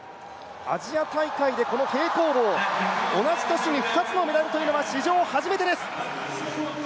アジア大会でこの平行棒、同じ年に２つのメダルというのは史上初めてです！